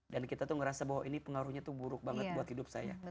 dan kita merasa bahwa ini pengaruhnya buruk banget buat hidup saya